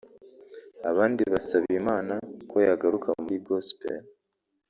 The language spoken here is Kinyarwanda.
abandi basaba Imana ko yagaruka muri Gospel